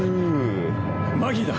マギーだ！